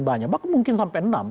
banyak bahkan mungkin sampai enam